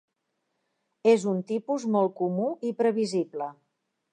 És un tipus molt comú i previsible.